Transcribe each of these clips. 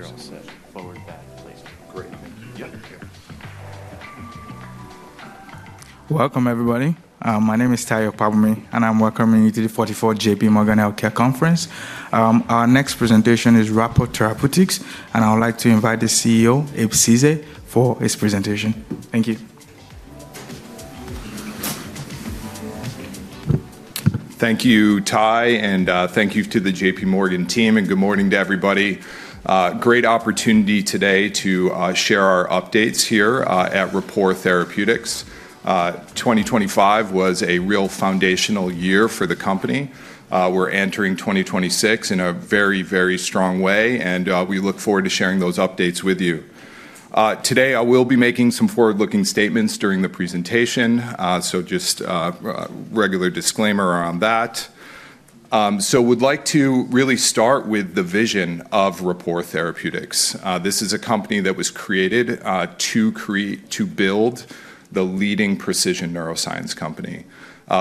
Okay. Yes. Thank you. You're all set. Forward that, please. Great. Thank you. Yep. Welcome, everybody. My name is Tyler Van Buren, and I'm welcoming you to the 44th JP Morgan Healthcare Conference. Our next presentation is Rapport Therapeutics, and I would like to invite the CEO, Abraham Ceesay, for his presentation. Thank you. Thank you, Ty, and thank you to the JP Morgan team, and good morning to everybody. Great opportunity today to share our updates here at Rapport Therapeutics. 2025 was a real foundational year for the company. We're entering 2026 in a very, very strong way, and we look forward to sharing those updates with you. Today, I will be making some forward-looking statements during the presentation, so just a regular disclaimer around that. We'd like to really start with the vision of Rapport Therapeutics. This is a company that was created to build the leading precision neuroscience company.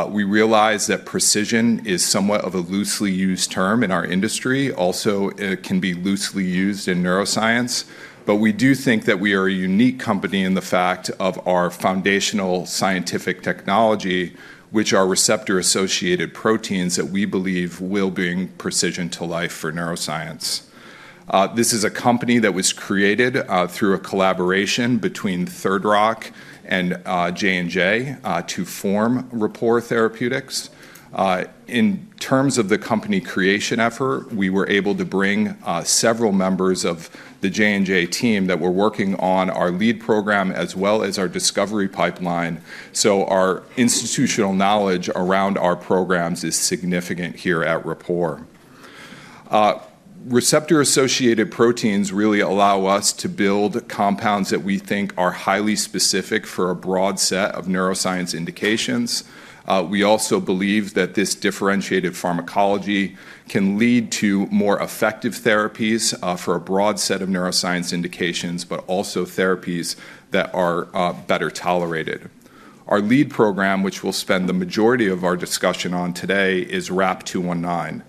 We realize that precision is somewhat of a loosely used term in our industry. Also, it can be loosely used in neuroscience. But we do think that we are a unique company in the fact of our foundational scientific technology, which are receptor-associated proteins that we believe will bring precision to life for neuroscience. This is a company that was created through a collaboration between Third Rock and J&J to form Rapport Therapeutics. In terms of the company creation effort, we were able to bring several members of the J&J team that were working on our lead program as well as our discovery pipeline. So our institutional knowledge around our programs is significant here at Rapport. Receptor-associated proteins really allow us to build compounds that we think are highly specific for a broad set of neuroscience indications. We also believe that this differentiated pharmacology can lead to more effective therapies for a broad set of neuroscience indications, but also therapies that are better tolerated. Our lead program, which we'll spend the majority of our discussion on today, is RAP-219.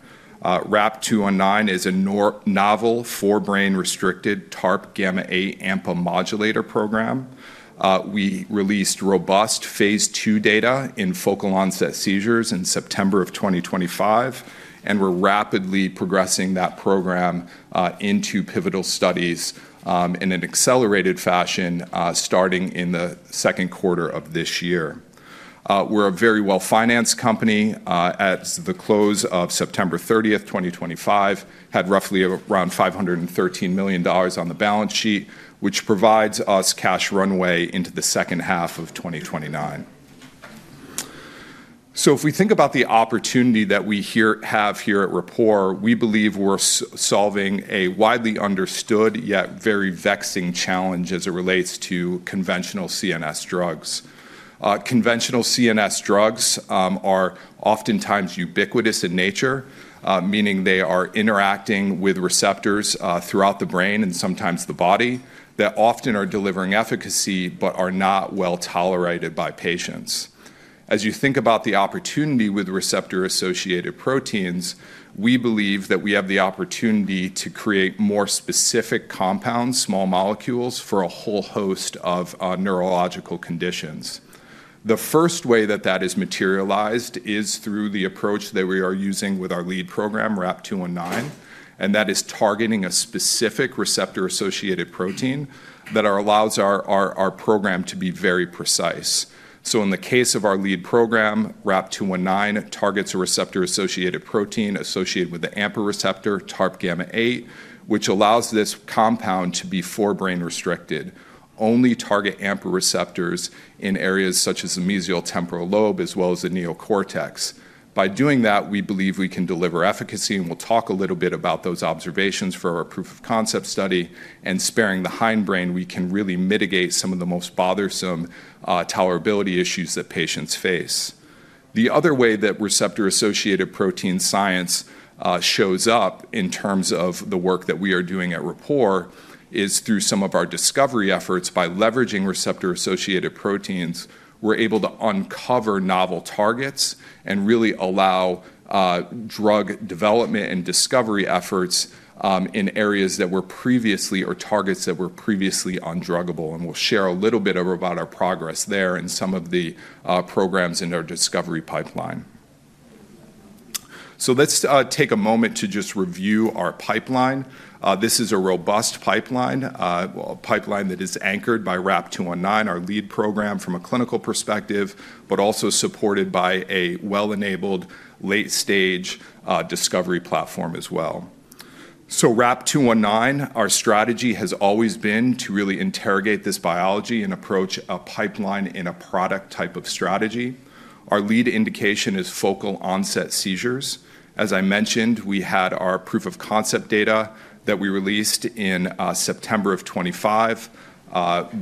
RAP-219 is a novel forebrain-restricted TARP gamma-8 AMPA modulator program. We released robust phase two data in focal onset seizures in September of 2025, and we're rapidly progressing that program into pivotal studies in an accelerated fashion starting in the second quarter of this year. We're a very well-financed company. At the close of September 30th, 2025, we had roughly around $513 million on the balance sheet, which provides us cash runway into the second half of 2029. So if we think about the opportunity that we have here at Rapport, we believe we're solving a widely understood yet very vexing challenge as it relates to conventional CNS drugs. Conventional CNS drugs are oftentimes ubiquitous in nature, meaning they are interacting with receptors throughout the brain and sometimes the body that often are delivering efficacy but are not well tolerated by patients. As you think about the opportunity with receptor-associated proteins, we believe that we have the opportunity to create more specific compounds, small molecules for a whole host of neurological conditions. The first way that that is materialized is through the approach that we are using with our lead program, RAP-219, and that is targeting a specific receptor-associated protein that allows our program to be very precise. So in the case of our lead program, RAP-219 targets a receptor-associated protein associated with the AMPA receptor, TARP gamma-8, which allows this compound to be forebrain-restricted, only target AMPA receptors in areas such as the mesial temporal lobe as well as the neocortex. By doing that, we believe we can deliver efficacy, and we'll talk a little bit about those observations for our proof of concept study, and sparing the hindbrain, we can really mitigate some of the most bothersome tolerability issues that patients face. The other way that receptor-associated protein science shows up in terms of the work that we are doing at Rapport is through some of our discovery efforts. By leveraging receptor-associated proteins, we're able to uncover novel targets and really allow drug development and discovery efforts in areas that were previously or targets that were previously undruggable, and we'll share a little bit about our progress there and some of the programs in our discovery pipeline, so let's take a moment to just review our pipeline. This is a robust pipeline, a pipeline that is anchored by RAP-219, our lead program from a clinical perspective, but also supported by a well-enabled late-stage discovery platform as well, so RAP-219, our strategy has always been to really interrogate this biology and approach a pipeline in a product type of strategy. Our lead indication is focal onset seizures. As I mentioned, we had our proof of concept data that we released in September of 2025.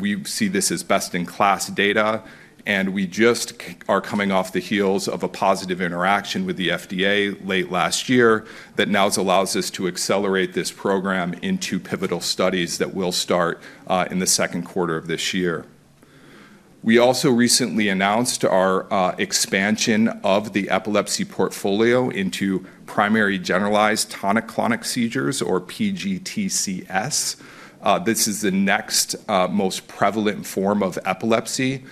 We see this as best-in-class data, and we just are coming off the heels of a positive interaction with the FDA late last year that now allows us to accelerate this program into pivotal studies that will start in the second quarter of this year. We also recently announced our expansion of the epilepsy portfolio into primary generalized tonic-clonic seizures, or PGTCS. This is the next most prevalent form of epilepsy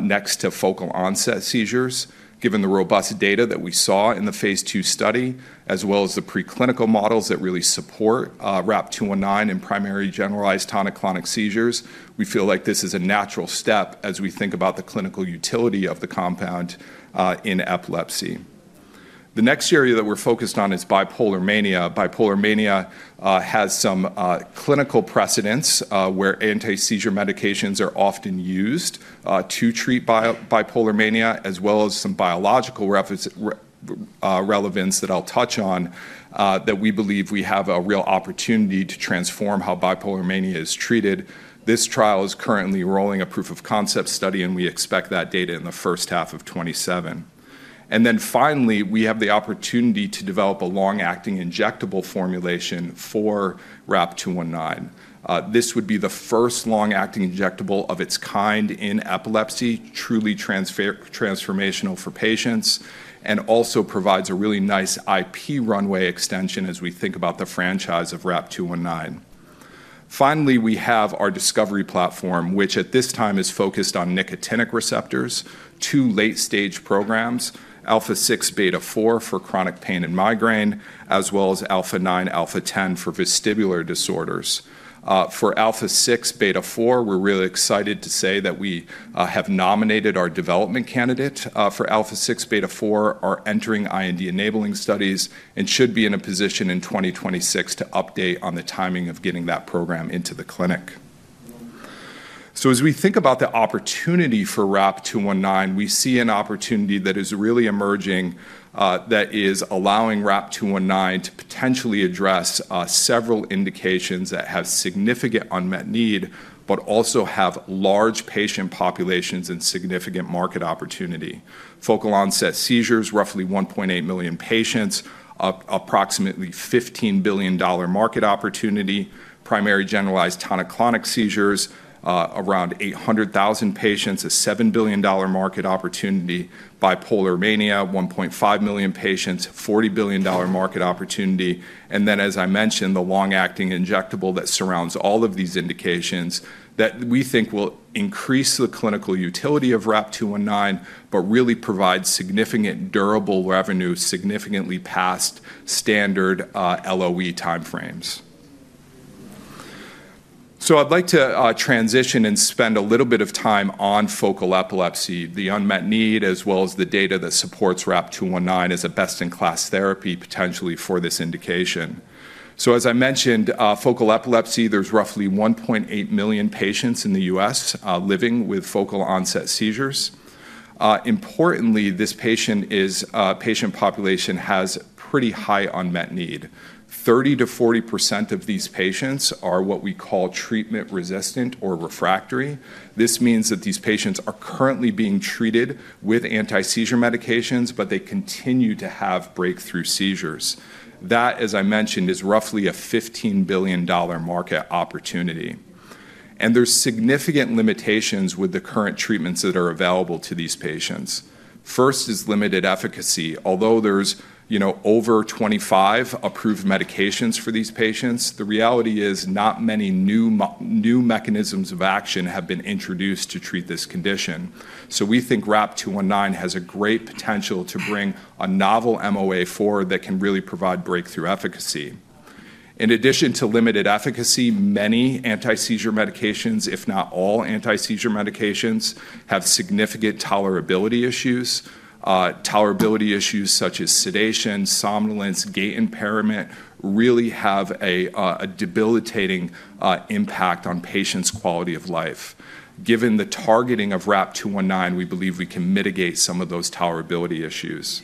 next to focal onset seizures. Given the robust data that we saw in the phase 2 study, as well as the preclinical models that really support RAP-219 and primary generalized tonic-clonic seizures, we feel like this is a natural step as we think about the clinical utility of the compound in epilepsy. The next area that we're focused on is bipolar mania. Bipolar mania has some clinical precedence where anti-seizure medications are often used to treat bipolar mania, as well as some biological relevance that I'll touch on that we believe we have a real opportunity to transform how bipolar mania is treated. This trial is currently rolling a proof of concept study, and we expect that data in the first half of 2027, and then finally, we have the opportunity to develop a long-acting injectable formulation for RAP-219. This would be the first long-acting injectable of its kind in epilepsy, truly transformational for patients, and also provides a really nice IP runway extension as we think about the franchise of RAP-219. Finally, we have our discovery platform, which at this time is focused on nicotinic receptors, two late-stage programs, alpha-6 beta-4 for chronic pain and migraine, as well as alpha-9, alpha-10 for vestibular disorders. For alpha-6 beta-4, we're really excited to say that we have nominated our development candidate for alpha-6 beta-4. We're entering IND-enabling studies, and should be in a position in 2026 to update on the timing of getting that program into the clinic, so as we think about the opportunity for RAP-219, we see an opportunity that is really emerging that is allowing RAP-219 to potentially address several indications that have significant unmet need, but also have large patient populations and significant market opportunity. Focal onset seizures, roughly 1.8 million patients, approximately $15 billion market opportunity. Primary generalized tonic-clonic seizures, around 800,000 patients, a $7 billion market opportunity. Bipolar mania, 1.5 million patients, $40 billion market opportunity. And then, as I mentioned, the long-acting injectable that surrounds all of these indications that we think will increase the clinical utility of RAP-219, but really provide significant durable revenue, significantly past standard LOE timeframes. So I'd like to transition and spend a little bit of time on focal epilepsy, the unmet need, as well as the data that supports RAP-219 as a best-in-class therapy potentially for this indication. So as I mentioned, focal epilepsy, there's roughly 1.8 million patients in the U.S. living with focal onset seizures. Importantly, this patient population has pretty high unmet need. 30%-40% of these patients are what we call treatment-resistant or refractory. This means that these patients are currently being treated with anti-seizure medications, but they continue to have breakthrough seizures. That, as I mentioned, is roughly a $15 billion market opportunity, and there's significant limitations with the current treatments that are available to these patients. First is limited efficacy. Although there's over 25 approved medications for these patients, the reality is not many new mechanisms of action have been introduced to treat this condition. So we think RAP-219 has a great potential to bring a novel MOA that can really provide breakthrough efficacy. In addition to limited efficacy, many anti-seizure medications, if not all anti-seizure medications, have significant tolerability issues. Tolerability issues such as sedation, somnolence, gait impairment really have a debilitating impact on patients' quality of life. Given the targeting of RAP-219, we believe we can mitigate some of those tolerability issues.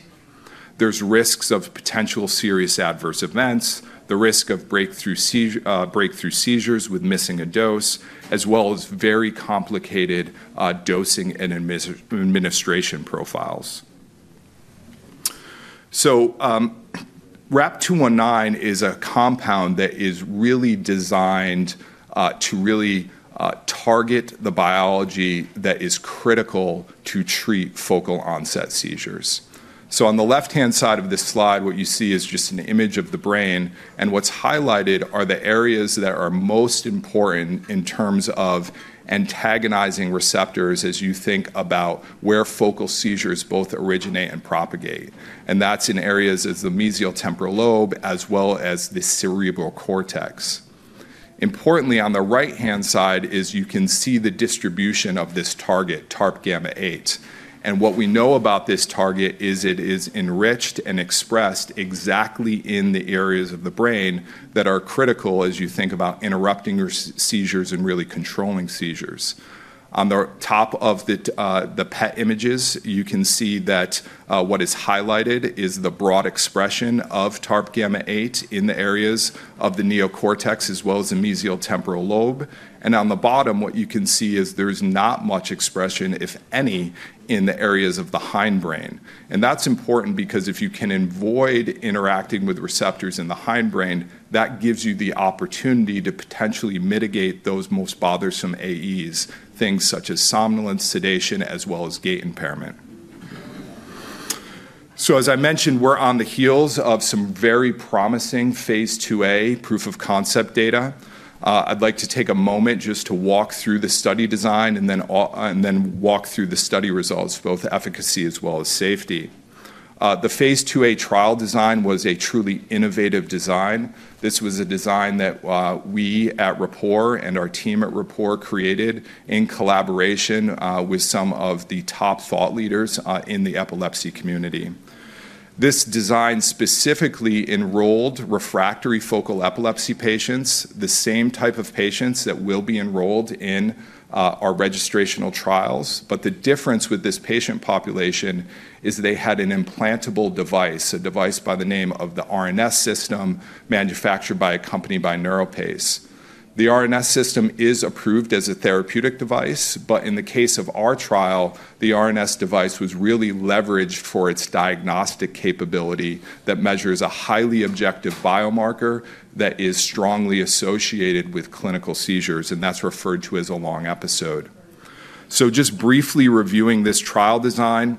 There's risks of potential serious adverse events, the risk of breakthrough seizures with missing a dose, as well as very complicated dosing and administration profiles. RAP-219 is a compound that is really designed to really target the biology that is critical to treat focal onset seizures. On the left-hand side of this slide, what you see is just an image of the brain, and what's highlighted are the areas that are most important in terms of antagonizing receptors as you think about where focal seizures both originate and propagate, and that's in areas of the mesial temporal lobe as well as the cerebral cortex. Importantly, on the right-hand side, you can see the distribution of this target, TARP gamma-8. And what we know about this target is it is enriched and expressed exactly in the areas of the brain that are critical as you think about interrupting your seizures and really controlling seizures. On the top of the PET images, you can see that what is highlighted is the broad expression of TARP gamma-8 in the areas of the neocortex as well as the mesial temporal lobe. And on the bottom, what you can see is there's not much expression, if any, in the areas of the hindbrain. And that's important because if you can avoid interacting with receptors in the hindbrain, that gives you the opportunity to potentially mitigate those most bothersome AEs, things such as somnolence, sedation, as well as gait impairment. So as I mentioned, we're on the heels of some very promising phase 2A proof of concept data. I'd like to take a moment just to walk through the study design and then walk through the study results, both efficacy as well as safety. The phase 2A trial design was a truly innovative design. This was a design that we at Rapport and our team at Rapport created in collaboration with some of the top thought leaders in the epilepsy community. This design specifically enrolled refractory focal epilepsy patients, the same type of patients that will be enrolled in our registrational trials. But the difference with this patient population is they had an implantable device, a device by the name of the RNS System manufactured by a company by NeuroPace. The RNS System is approved as a therapeutic device, but in the case of our trial, the RNS System was really leveraged for its diagnostic capability that measures a highly objective biomarker that is strongly associated with clinical seizures, and that's referred to as a long episode. Just briefly reviewing this trial design,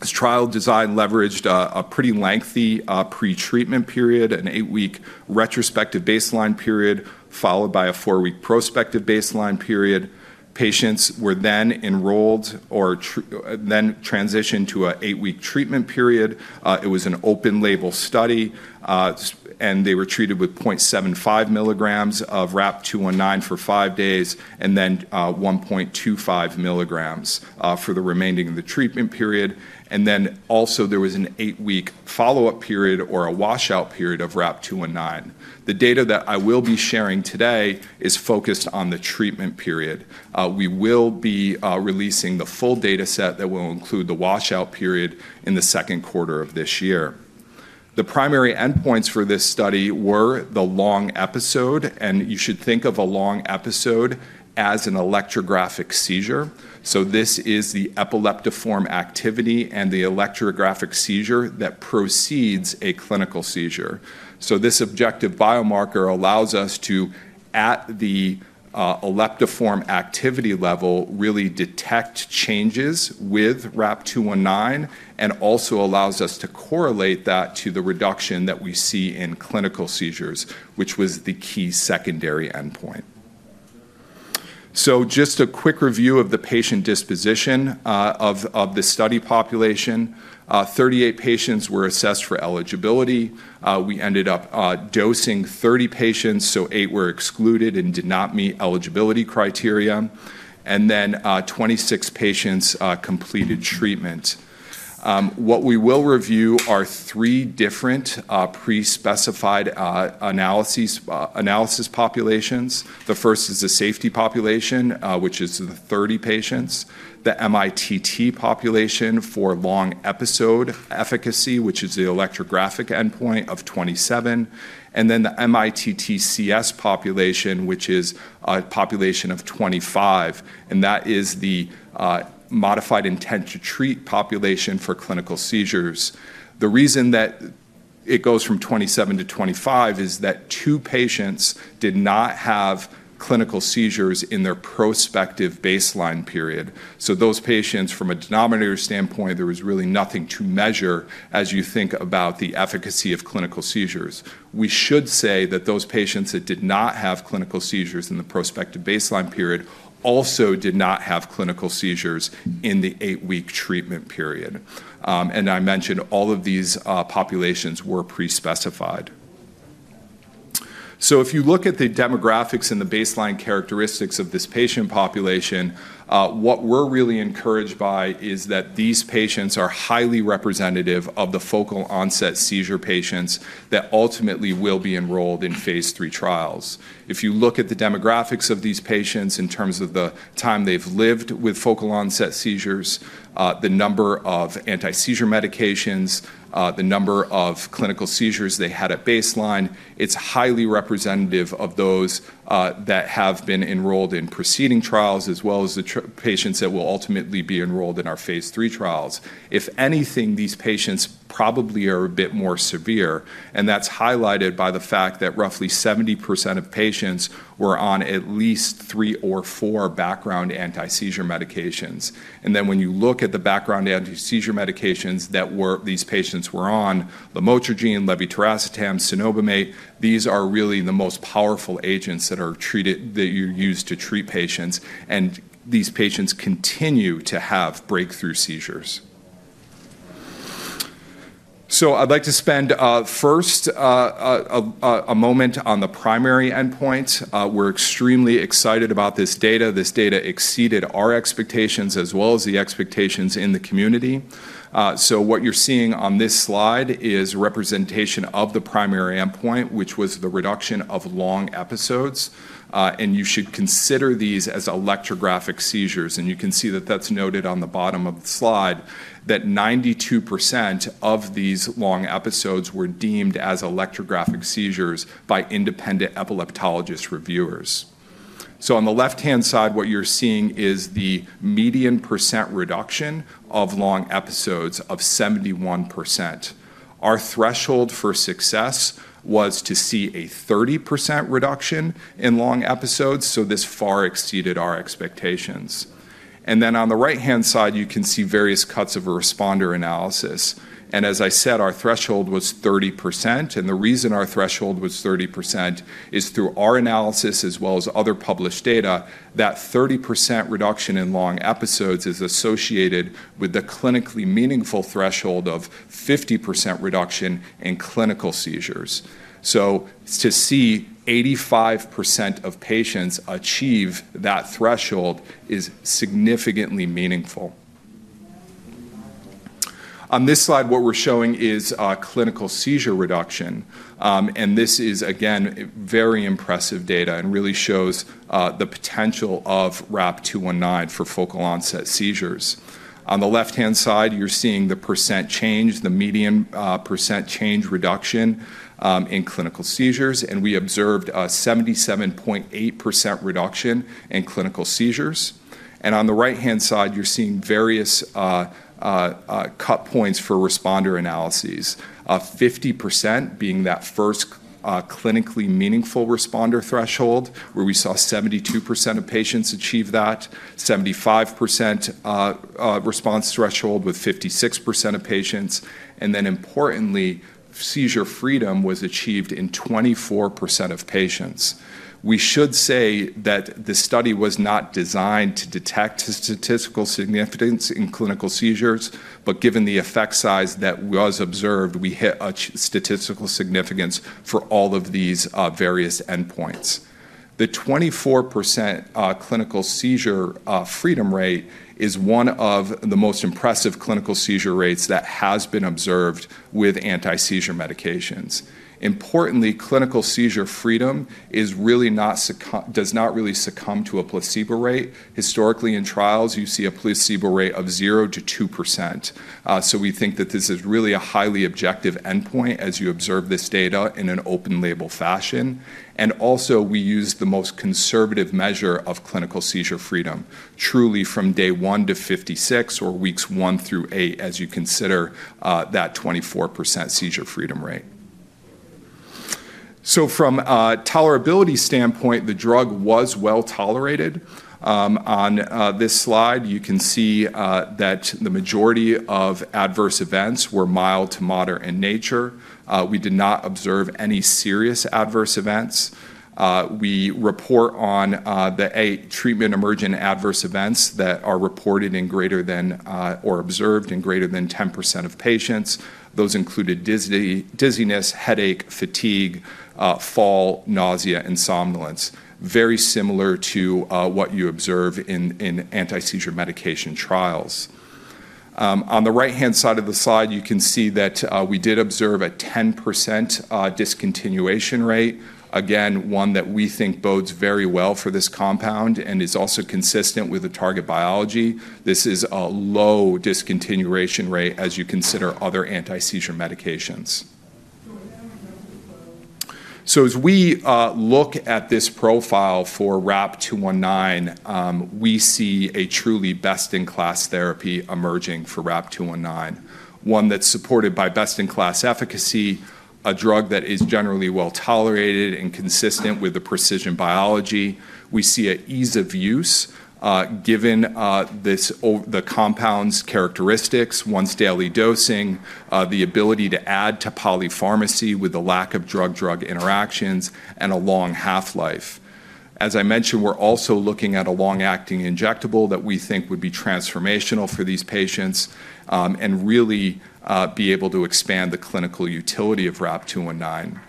this trial design leveraged a pretty lengthy pretreatment period, an eight-week retrospective baseline period followed by a four-week prospective baseline period. Patients were then enrolled or then transitioned to an eight-week treatment period. It was an open-label study, and they were treated with 0.75 milligrams of RAP-219 for five days and then 1.25 milligrams for the remaining of the treatment period. There also was an eight-week follow-up period or a washout period of RAP-219. The data that I will be sharing today is focused on the treatment period. We will be releasing the full data set that will include the washout period in the second quarter of this year. The primary endpoints for this study were the long episode, and you should think of a long episode as an electrographic seizure. So this is the epileptiform activity and the electrographic seizure that precedes a clinical seizure. So this objective biomarker allows us to, at the epileptiform activity level, really detect changes with RAP-219 and also allows us to correlate that to the reduction that we see in clinical seizures, which was the key secondary endpoint. So just a quick review of the patient disposition of the study population. 38 patients were assessed for eligibility. We ended up dosing 30 patients, so eight were excluded and did not meet eligibility criteria. And then 26 patients completed treatment. What we will review are three different pre-specified analysis populations. The first is the safety population, which is the 30 patients. The MITT population for long episode efficacy, which is the electrographic endpoint of 27, and then the MITTCS population, which is a population of 25, and that is the modified intent to treat population for clinical seizures. The reason that it goes from 27-25 is that two patients did not have clinical seizures in their prospective baseline period, so those patients, from a denominator standpoint, there was really nothing to measure as you think about the efficacy of clinical seizures. We should say that those patients that did not have clinical seizures in the prospective baseline period also did not have clinical seizures in the eight-week treatment period, and I mentioned all of these populations were pre-specified. So if you look at the demographics and the baseline characteristics of this patient population, what we're really encouraged by is that these patients are highly representative of the focal onset seizure patients that ultimately will be enrolled in phase three trials. If you look at the demographics of these patients in terms of the time they've lived with focal onset seizures, the number of anti-seizure medications, the number of clinical seizures they had at baseline, it's highly representative of those that have been enrolled in preceding trials, as well as the patients that will ultimately be enrolled in our phase three trials. If anything, these patients probably are a bit more severe, and that's highlighted by the fact that roughly 70% of patients were on at least three or four background anti-seizure medications. And then when you look at the background anti-seizure medications that these patients were on, lamotrigine, levetiracetam, cenobamate, these are really the most powerful agents that are used to treat patients, and these patients continue to have breakthrough seizures. So I'd like to spend first a moment on the primary endpoints. We're extremely excited about this data. This data exceeded our expectations as well as the expectations in the community. So what you're seeing on this slide is representation of the primary endpoint, which was the reduction of long episodes. And you should consider these as electrographic seizures. And you can see that that's noted on the bottom of the slide, that 92% of these long episodes were deemed as electrographic seizures by independent epileptologist reviewers. So on the left-hand side, what you're seeing is the median % reduction of long episodes of 71%. Our threshold for success was to see a 30% reduction in long episodes, so this far exceeded our expectations, and then on the right-hand side, you can see various cuts of a responder analysis, and as I said, our threshold was 30%, and the reason our threshold was 30% is through our analysis as well as other published data that 30% reduction in long episodes is associated with the clinically meaningful threshold of 50% reduction in clinical seizures, so to see 85% of patients achieve that threshold is significantly meaningful. On this slide, what we're showing is clinical seizure reduction, and this is, again, very impressive data and really shows the potential of RAP-219 for focal onset seizures. On the left-hand side, you're seeing the percent change, the median percent change reduction in clinical seizures, and we observed a 77.8% reduction in clinical seizures. On the right-hand side, you're seeing various cut points for responder analyses, 50% being that first clinically meaningful responder threshold where we saw 72% of patients achieve that, 75% response threshold with 56% of patients. Then importantly, seizure freedom was achieved in 24% of patients. We should say that the study was not designed to detect statistical significance in clinical seizures, but given the effect size that was observed, we hit a statistical significance for all of these various endpoints. The 24% clinical seizure freedom rate is one of the most impressive clinical seizure rates that has been observed with anti-seizure medications. Importantly, clinical seizure freedom does not really succumb to a placebo rate. Historically, in trials, you see a placebo rate of 0%-2%. We think that this is really a highly objective endpoint as you observe this data in an open-label fashion. And also, we use the most conservative measure of clinical seizure freedom, truly from day one to 56 or weeks one through eight as you consider that 24% seizure freedom rate. So from a tolerability standpoint, the drug was well tolerated. On this slide, you can see that the majority of adverse events were mild to moderate in nature. We did not observe any serious adverse events. We report on the eight treatment-emergent adverse events that are reported or observed in greater than 10% of patients. Those included dizziness, headache, fatigue, fall, nausea, and somnolence, very similar to what you observe in anti-seizure medication trials. On the right-hand side of the slide, you can see that we did observe a 10% discontinuation rate, again, one that we think bodes very well for this compound and is also consistent with the target biology. This is a low discontinuation rate as you consider other anti-seizure medications. So as we look at this profile for RAP-219, we see a truly best-in-class therapy emerging for RAP-219, one that's supported by best-in-class efficacy, a drug that is generally well tolerated and consistent with the precision biology. We see an ease of use given the compound's characteristics, once-daily dosing, the ability to add to polypharmacy with the lack of drug-drug interactions, and a long half-life. As I mentioned, we're also looking at a long-acting injectable that we think would be transformational for these patients and really be able to expand the clinical utility of RAP-219.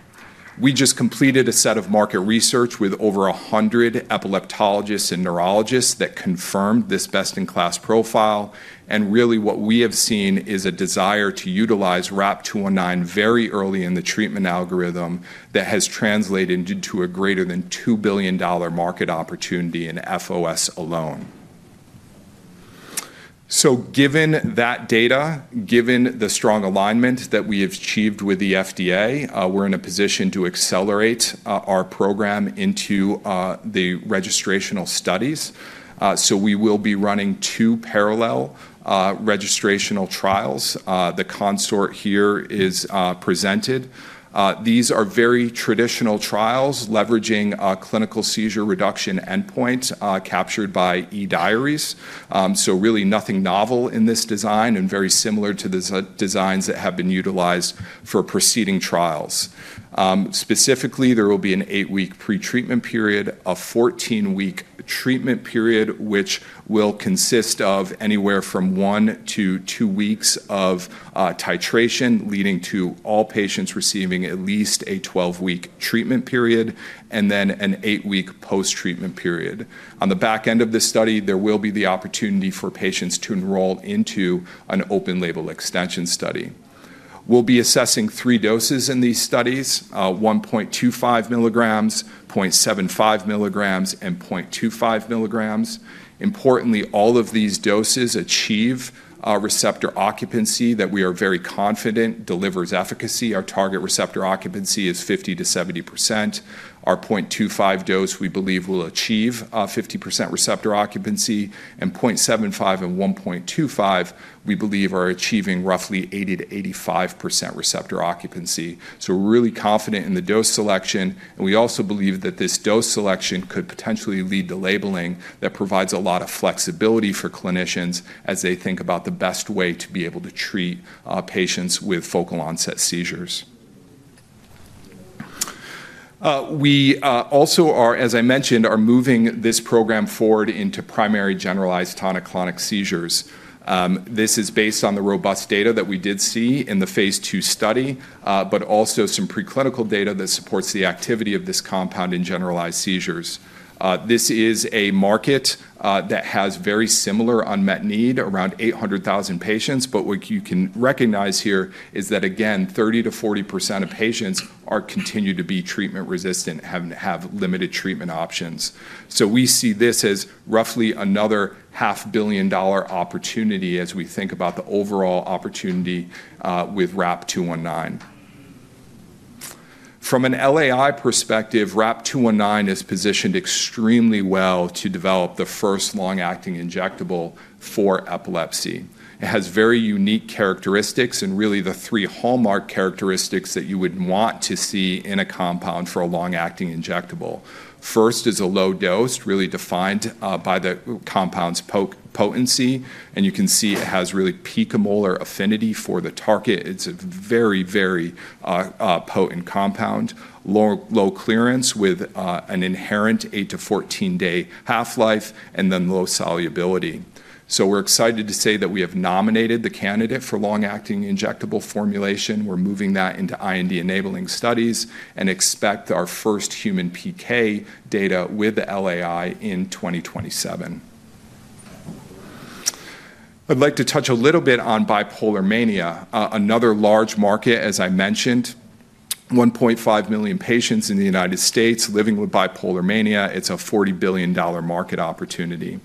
We just completed a set of market research with over 100 epileptologists and neurologists that confirmed this best-in-class profile. And really, what we have seen is a desire to utilize RAP-219 very early in the treatment algorithm that has translated into a greater than $2 billion market opportunity in FOS alone. So given that data, given the strong alignment that we have achieved with the FDA, we're in a position to accelerate our program into the registrational studies. So we will be running two parallel registrational trials. The construct here is presented. These are very traditional trials leveraging clinical seizure reduction endpoints captured by eDiaries. So really, nothing novel in this design and very similar to the designs that have been utilized for preceding trials. Specifically, there will be an eight-week pretreatment period, a 14-week treatment period, which will consist of anywhere from one to two weeks of titration leading to all patients receiving at least a 12-week treatment period and then an eight-week post-treatment period. On the back end of this study, there will be the opportunity for patients to enroll into an open-label extension study. We'll be assessing three doses in these studies: 1.25 milligrams, 0.75 milligrams, and 0.25 milligrams. Importantly, all of these doses achieve receptor occupancy that we are very confident delivers efficacy. Our target receptor occupancy is 50%-70%. Our 0.25 dose, we believe, will achieve 50% receptor occupancy. And 0.75 and 1.25, we believe, are achieving roughly 80%-85% receptor occupancy. So we're really confident in the dose selection. And we also believe that this dose selection could potentially lead to labeling that provides a lot of flexibility for clinicians as they think about the best way to be able to treat patients with focal onset seizures. We also are, as I mentioned, moving this program forward into primary generalized tonic-clonic seizures. This is based on the robust data that we did see in the phase 2 study, but also some preclinical data that supports the activity of this compound in generalized seizures. This is a market that has very similar unmet need, around 800,000 patients. But what you can recognize here is that, again, 30%-40% of patients continue to be treatment-resistant and have limited treatment options. So we see this as roughly another $500 million opportunity as we think about the overall opportunity with RAP-219. From an LAI perspective, RAP-219 is positioned extremely well to develop the first long-acting injectable for epilepsy. It has very unique characteristics and really the three hallmark characteristics that you would want to see in a compound for a long-acting injectable. First is a low dose, really defined by the compound's potency. And you can see it has really picomolar affinity for the target. It's a very, very potent compound, low clearance with an inherent 8-14-day half-life, and then low solubility, so we're excited to say that we have nominated the candidate for long-acting injectable formulation. We're moving that into IND-enabling studies and expect our first human PK data with the LAI in 2027. I'd like to touch a little bit on bipolar mania, another large market, as I mentioned, 1.5 million patients in the United States living with bipolar mania. It's a $40 billion market opportunity.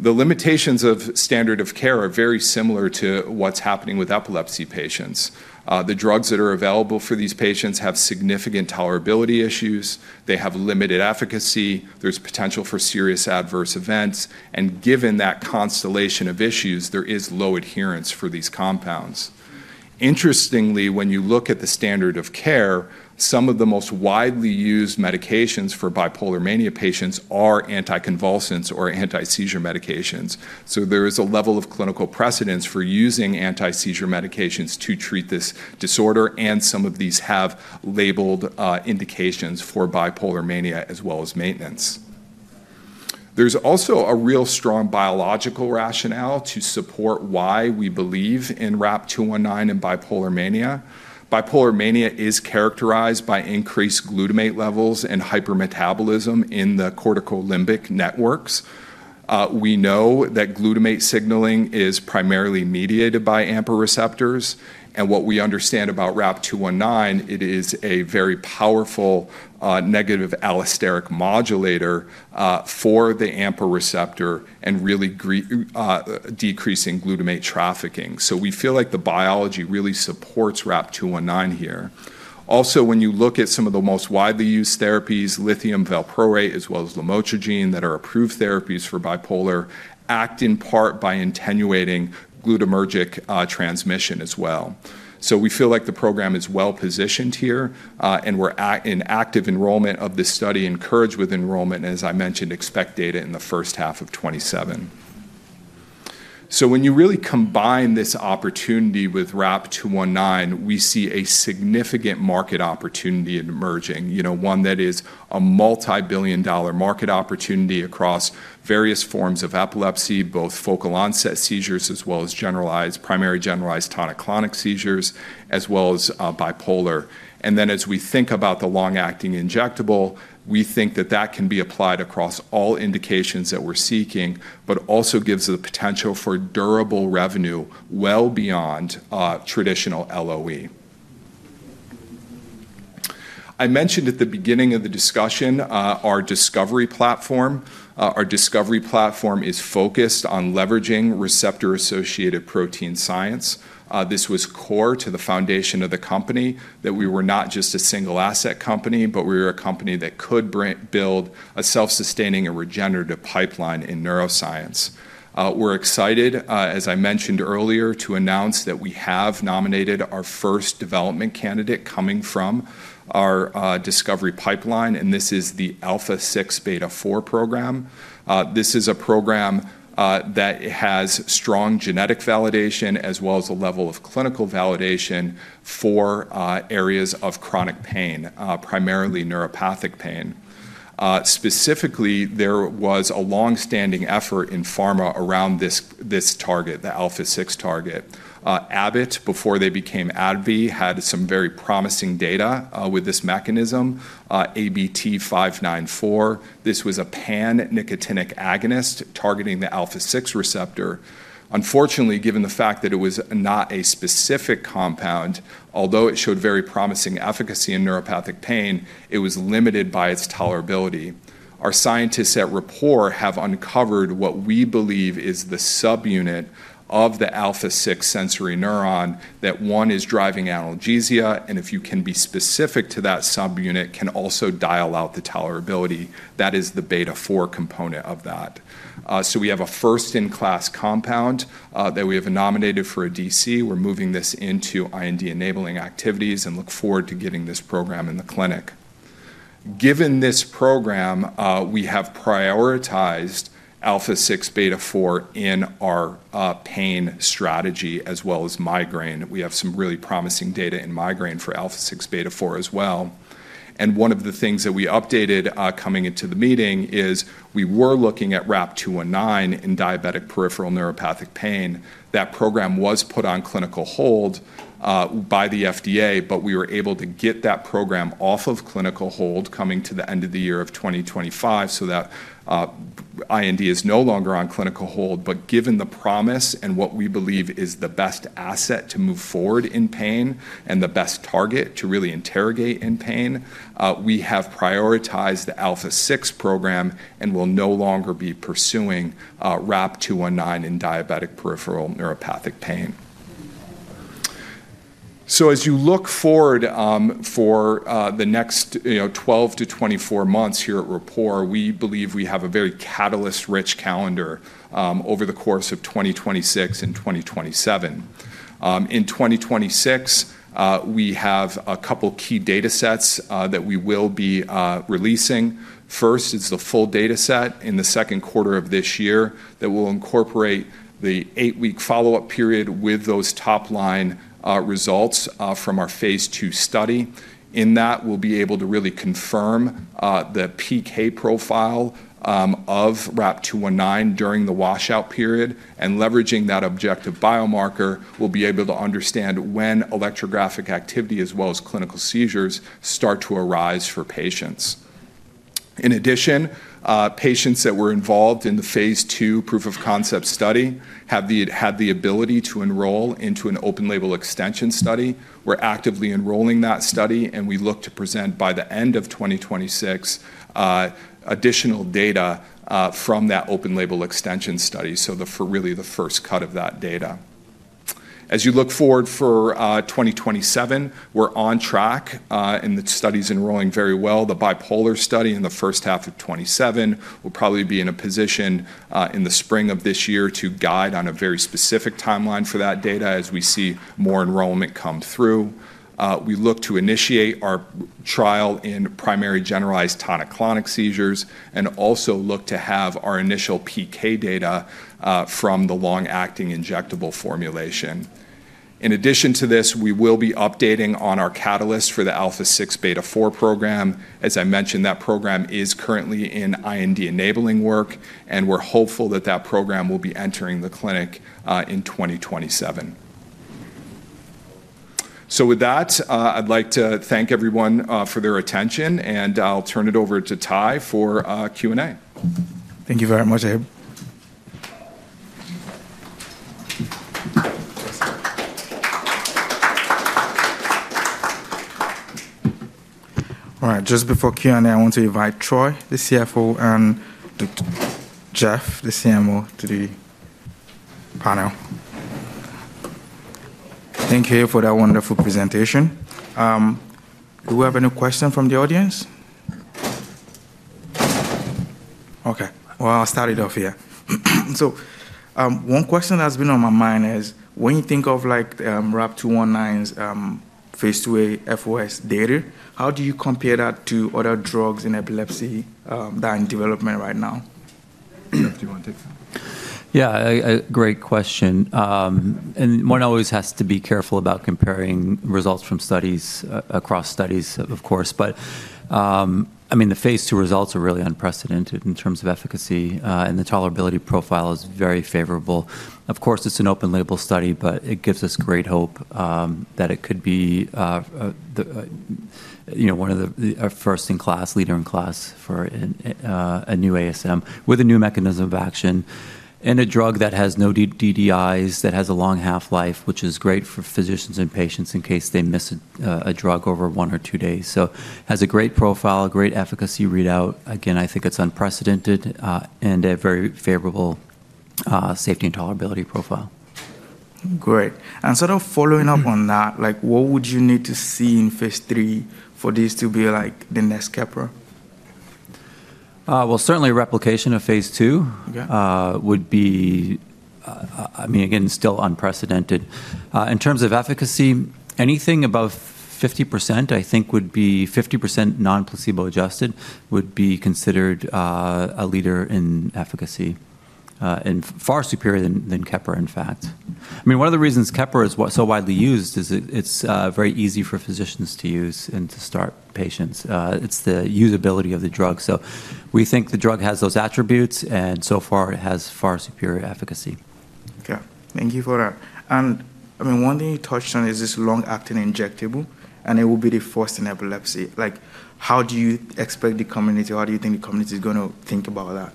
The limitations of standard of care are very similar to what's happening with epilepsy patients. The drugs that are available for these patients have significant tolerability issues. They have limited efficacy. There's potential for serious adverse events, and given that constellation of issues, there is low adherence for these compounds. Interestingly, when you look at the standard of care, some of the most widely used medications for bipolar mania patients are anticonvulsants or anti-seizure medications. So there is a level of clinical precedence for using anti-seizure medications to treat this disorder. And some of these have labeled indications for bipolar mania as well as maintenance. There's also a real strong biological rationale to support why we believe in RAP-219 and bipolar mania. Bipolar mania is characterized by increased glutamate levels and hypermetabolism in the cortical limbic networks. We know that glutamate signaling is primarily mediated by AMPA receptors. And what we understand about RAP-219, it is a very powerful negative allosteric modulator for the AMPA receptor and really decreasing glutamate trafficking. So we feel like the biology really supports RAP-219 here. Also, when you look at some of the most widely used therapies, lithium valproate as well as lamotrigine that are approved therapies for bipolar act in part by attenuating glutamatergic transmission as well, so we feel like the program is well positioned here, and we're in active enrollment of this study, encouraged with enrollment, and as I mentioned, expect data in the first half of 2027, so when you really combine this opportunity with RAP-219, we see a significant market opportunity emerging, one that is a multi-billion-dollar market opportunity across various forms of epilepsy, both focal onset seizures as well as primary generalized tonic-clonic seizures as well as bipolar, and then as we think about the long-acting injectable, we think that that can be applied across all indications that we're seeking, but also gives the potential for durable revenue well beyond traditional LOE. I mentioned at the beginning of the discussion our discovery platform. Our discovery platform is focused on leveraging receptor-associated protein science. This was core to the foundation of the company that we were not just a single-asset company, but we were a company that could build a self-sustaining and regenerative pipeline in neuroscience. We're excited, as I mentioned earlier, to announce that we have nominated our first development candidate coming from our discovery pipeline. And this is the Alpha-6 beta-4 program. This is a program that has strong genetic validation as well as a level of clinical validation for areas of chronic pain, primarily neuropathic pain. Specifically, there was a long-standing effort in pharma around this target, the Alpha-6 target. Abbott, before they became AbbVie, had some very promising data with this mechanism, ABT-594. This was a pan-nicotinic agonist targeting the Alpha-6 receptor. Unfortunately, given the fact that it was not a specific compound, although it showed very promising efficacy in neuropathic pain, it was limited by its tolerability. Our scientists at Rapport have uncovered what we believe is the subunit of the Alpha-6 sensory neuron that one is driving analgesia, and if you can be specific to that subunit, can also dial out the tolerability. That is the Beta-4 component of that, so we have a first-in-class compound that we have nominated for a DC. We're moving this into IND-enabling activities and look forward to getting this program in the clinic. Given this program, we have prioritized Alpha-6 beta-4 in our pain strategy as well as migraine. We have some really promising data in migraine for Alpha-6 beta-4 as well. One of the things that we updated coming into the meeting is we were looking at RAP-219 in diabetic peripheral neuropathic pain. That program was put on clinical hold by the FDA, but we were able to get that program off of clinical hold coming to the end of the year of 2025 so that IND is no longer on clinical hold. Given the promise and what we believe is the best asset to move forward in pain and the best target to really interrogate in pain, we have prioritized the Alpha-6 program and will no longer be pursuing RAP-219 in diabetic peripheral neuropathic pain. As you look forward for the next 12-24 months here at Rapport, we believe we have a very catalyst-rich calendar over the course of 2026 and 2027. In 2026, we have a couple of key data sets that we will be releasing. First is the full data set in the second quarter of this year that will incorporate the eight-week follow-up period with those top-line results from our phase 2 study. In that, we'll be able to really confirm the PK profile of RAP-219 during the washout period. And leveraging that objective biomarker, we'll be able to understand when electrographic activity as well as clinical seizures start to arise for patients. In addition, patients that were involved in the phase 2 proof of concept study have the ability to enroll into an open-label extension study. We're actively enrolling that study. And we look to present by the end of 2026 additional data from that open-label extension study, so really the first cut of that data. As you look forward for 2027, we're on track in the studies enrolling very well. The bipolar study in the first half of 2027 will probably be in a position in the spring of this year to guide on a very specific timeline for that data as we see more enrollment come through. We look to initiate our trial in primary generalized tonic-clonic seizures and also look to have our initial PK data from the long-acting injectable formulation. In addition to this, we will be updating on our catalyst for the Alpha-6 beta-4 program. As I mentioned, that program is currently in IND-enabling work, and we're hopeful that that program will be entering the clinic in 2027, so with that, I'd like to thank everyone for their attention, and I'll turn it over to Tyler for Q&A. Thank you very much. All right. Just before Q&A, I want to invite Troy, the CFO, and Jeff, the CMO, to the panel. Thank you for that wonderful presentation. Do we have any questions from the audience? Okay. Well, I'll start it off here. So one question that's been on my mind is when you think of RAP-219's phase two A FOS data, how do you compare that to other drugs in epilepsy that are in development right now? Jeff, do you want to take that? Yeah. Great question. And one always has to be careful about comparing results from studies across studies, of course. But I mean, the phase two results are really unprecedented in terms of efficacy. And the tolerability profile is very favorable. Of course, it's an open-label study, but it gives us great hope that it could be one of the first-in-class, leader-in-class for a new ASM with a new mechanism of action and a drug that has no DDIs, that has a long half-life, which is great for physicians and patients in case they miss a drug over one or two days. So it has a great profile, a great efficacy readout. Again, I think it's unprecedented and a very favorable safety and tolerability profile. Great. And sort of following up on that, what would you need to see in phase three for this to be the next Keppra? Certainly, replication of phase 2 would be, I mean, again, still unprecedented. In terms of efficacy, anything above 50%, I think would be 50% non-placebo adjusted, would be considered a leader in efficacy and far superior than Keppra, in fact. I mean, one of the reasons Keppra is so widely used is it's very easy for physicians to use and to start patients. It's the usability of the drug. So we think the drug has those attributes. And so far, it has far superior efficacy. Okay. Thank you for that. And I mean, one thing you touched on is this long-acting injectable, and it will be the first in epilepsy. How do you expect the community? How do you think the community is going to think about that?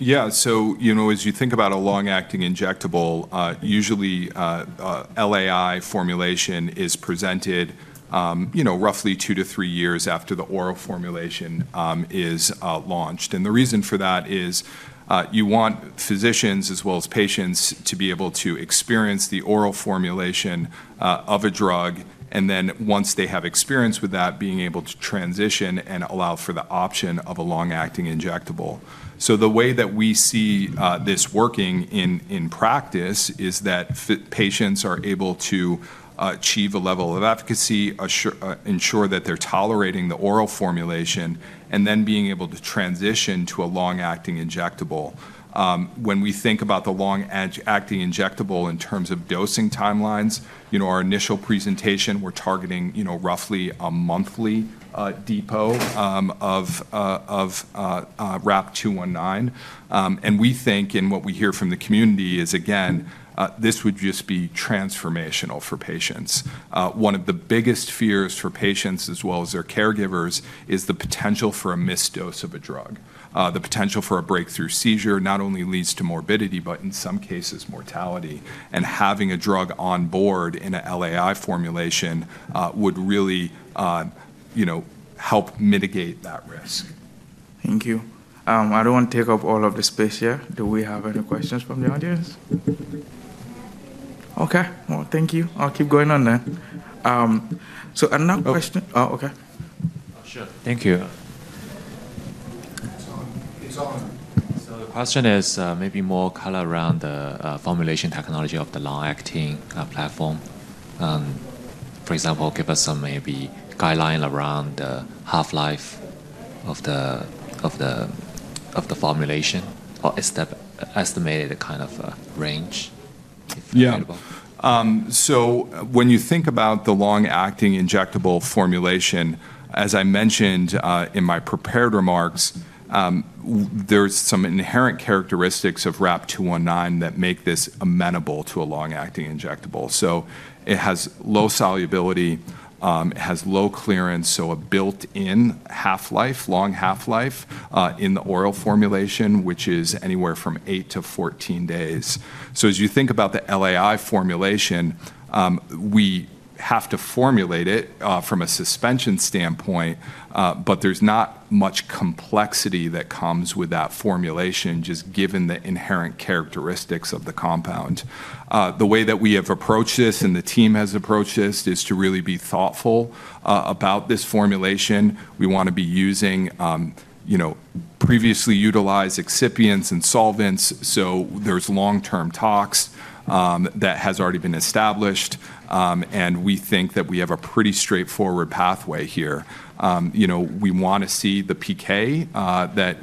Yeah, so as you think about a long-acting injectable, usually LAI formulation is presented roughly two to three years after the oral formulation is launched, and the reason for that is you want physicians as well as patients to be able to experience the oral formulation of a drug, and then once they have experience with that, being able to transition and allow for the option of a long-acting injectable. So the way that we see this working in practice is that patients are able to achieve a level of efficacy, ensure that they're tolerating the oral formulation, and then being able to transition to a long-acting injectable. When we think about the long-acting injectable in terms of dosing timelines, our initial presentation, we're targeting roughly a monthly depot of RAP-219, and we think, and what we hear from the community is, again, this would just be transformational for patients. One of the biggest fears for patients as well as their caregivers is the potential for a missed dose of a drug. The potential for a breakthrough seizure not only leads to morbidity, but in some cases, mortality. And having a drug on board in an LAI formulation would really help mitigate that risk. Thank you. I don't want to take up all of the space here. Do we have any questions from the audience? Okay. Well, thank you. I'll keep going on then. So another question. Oh, okay. Sure. Thank you. The question is maybe more color around the formulation technology of the long-acting platform. For example, give us some maybe guideline around the half-life of the formulation or estimated kind of range. Yeah. So when you think about the long-acting injectable formulation, as I mentioned in my prepared remarks, there's some inherent characteristics of RAP-219 that make this amenable to a long-acting injectable. So it has low solubility, it has low clearance, so a built-in half-life, long half-life in the oral formulation, which is anywhere from eight to 14 days. So as you think about the LAI formulation, we have to formulate it from a suspension standpoint, but there's not much complexity that comes with that formulation, just given the inherent characteristics of the compound. The way that we have approached this and the team has approached this is to really be thoughtful about this formulation. We want to be using previously utilized excipients and solvents. So there's long-term talks that have already been established. And we think that we have a pretty straightforward pathway here. We want to see the PK that.